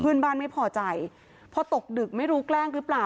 เพื่อนบ้านไม่พอใจพอตกดึกไม่รู้แกล้งหรือเปล่า